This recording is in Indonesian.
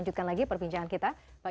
mbak mirza jangan kemana mana